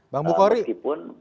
bang bukhari meskipun